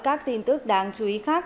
các tin tức đáng chú ý khác